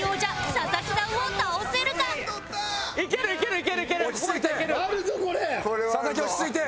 佐々木落ち着いて。